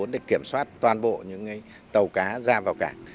để kiểm soát toàn bộ những tàu cá ra vào cảng